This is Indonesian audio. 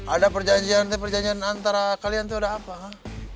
ada perjanjian tetap perjanjian antara kalian tuh ada apa ha